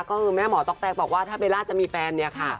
ก็คือแม่หมอต๊อกแต๊กบอกว่าถ้าเบลล่าจะมีแฟนเนี่ยค่ะ